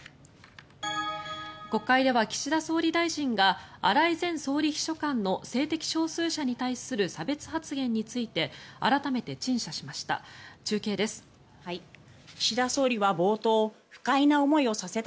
国会では岸田総理大臣が荒井前総理秘書官の性的少数者に対する差別発言について改めて陳謝しました。